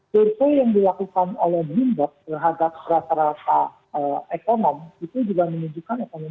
certo yang dilakukan oleh mimbok terhadap rata rata ekonomi itu juga menunjukkan ekonomi turun